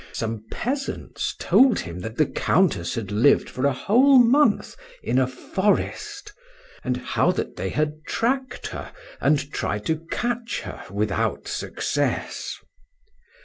Some peasants told him that the Countess had lived for a whole month in a forest, and how that they had tracked her and tried to catch her without success.